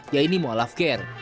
yaitu mu'alaf care